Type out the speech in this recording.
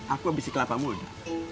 aku habisi kelapa muda